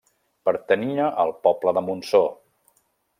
Pertanyia al poble de Montsor.